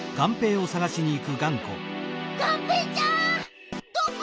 がんぺーちゃんどこ？